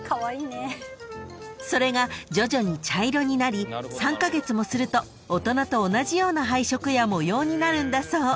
［それが徐々に茶色になり３カ月もすると大人と同じような配色や模様になるんだそう］